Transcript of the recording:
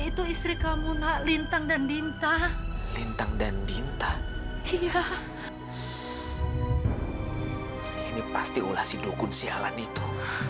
untuk istri kamu nak lintang dan lintah lintang dan lintah iya ini pasti ulasin dukun sialan itu